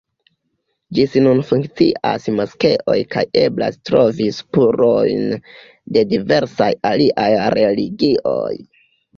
Ĝis nun funkcias moskeoj kaj eblas trovi spurojn de diversaj aliaj religioj.